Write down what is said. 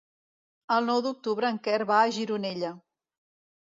El nou d'octubre en Quer va a Gironella.